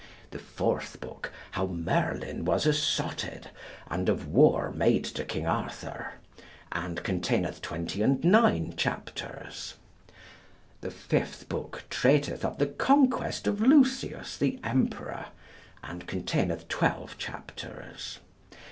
The fourth book how Merlin was assotted, and of war made to King Arthur, and containeth 29 chapters. The fifth book treateth of the conquest of Lucius the emperor, and containeth 12 chapters.